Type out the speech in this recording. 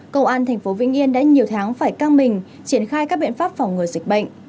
công an tp vĩnh yên đã nhiều tháng phải căng mình triển khai các biện pháp phòng ngừa dịch bệnh